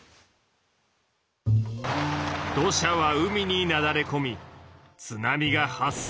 土砂は海になだれこみ津波が発生。